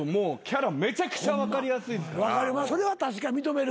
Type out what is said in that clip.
それは確か認める。